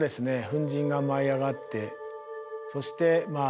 粉じんが舞い上がってそしてまあ